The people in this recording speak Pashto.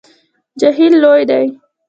جهیل لوی دی